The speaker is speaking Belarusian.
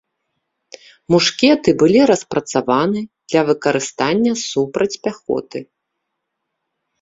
Мушкеты былі распрацаваны для выкарыстання супраць пяхоты.